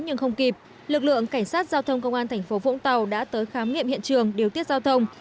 nhưng không kịp lực lượng cảnh sát giao thông công an thành phố vũng tàu đã tới khám nghiệm hiện trường điều tiết giao thông